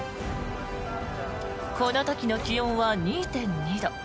この時の気温は２．２度。